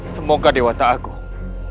semoga dewa tak agung